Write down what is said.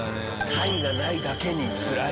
他意がないだけにつらいね。